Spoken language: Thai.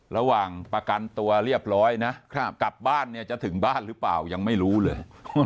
ระหว่างประกันตัวเรียบร้อยนะกลับบ้านเนี่ยจะถึงบ้านหรือเปล่ายังไม่รู้เลย